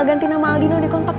ganti nama aldino di kontak gue